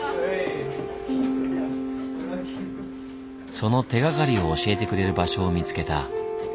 その手がかりを教えてくれる場所を見つけた。